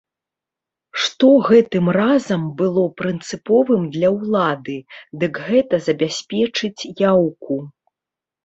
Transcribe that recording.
Што гэтым разам было прынцыповым для ўлады, дык гэта забяспечыць яўку.